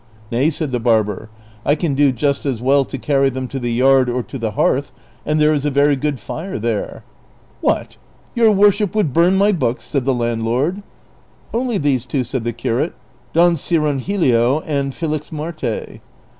" Nay," said the barber, " I can do just as well to carry them to the yard or to the hearth, and there is a very good fire there." " What ! your worship would burn my books !" said the landlord. " Only these two," said the curate, '' Don Cirongilio and Felixmarte."